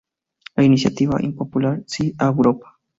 La iniciativa impopular "Sí a Europa!